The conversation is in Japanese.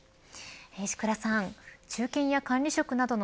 石倉さん、中堅や管理職などの